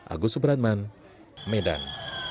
agus subranman medan